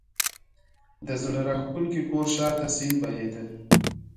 د زړه راکښونکي کور شا ته سیند بهېده.